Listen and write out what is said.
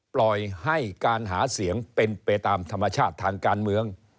ปล่อยให้การหาเสียงเป็นไปตามธรรมชาติทางการเมือง